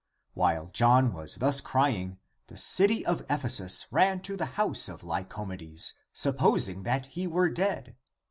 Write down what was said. While John was thus crying, the city of Ephesus ran to the house of Lycomedes, supposing that he were dead.